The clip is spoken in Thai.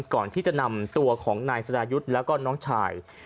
ก่อนที่จะนำตัวของนายสรายุทธ์แล้วก็น้องชาย